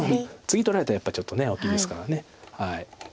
次取られたらやっぱちょっと大きいですから。